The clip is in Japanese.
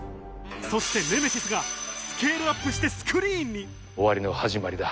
そして『ネメシス』がスケールアップしてスクリーンに終わりの始まりだ。